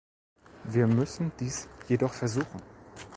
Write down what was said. Wir müssen dies jedoch versuchen.